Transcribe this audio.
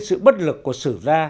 sự bất lực của sử ra